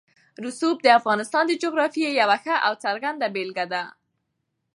رسوب د افغانستان د جغرافیې یوه ښه او څرګنده بېلګه ده.